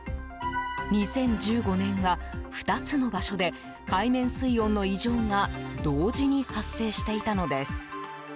２０１５年は２つの場所で海面水温の異常が同時に発生していたのです。